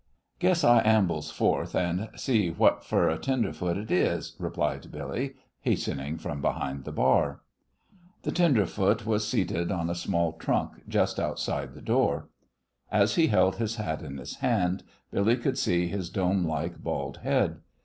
"Guess I ambles forth and sees what fer a tenderfoot it is," replied Billy, hastening from behind the bar. The tenderfoot was seated on a small trunk just outside the door. As he held his hat in his hand, Billy could see his dome like bald head.